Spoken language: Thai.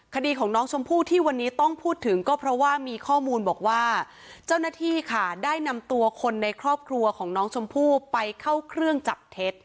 คดีของน้องชมพู่ที่วันนี้ต้องพูดถึงก็เพราะว่ามีข้อมูลบอกว่าเจ้าหน้าที่ค่ะได้นำตัวคนในครอบครัวของน้องชมพู่ไปเข้าเครื่องจับเท็จ